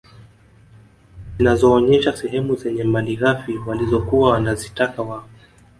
Zinazoonyesha sehemu zenye malighafi walizokuwa wanazitaka wao